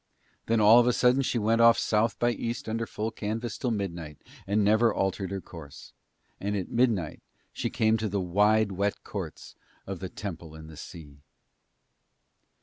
Then all of a sudden she went off south by east under full canvas till midnight, and never altered her course. And at midnight she came to the wide wet courts of the Temple in the Sea.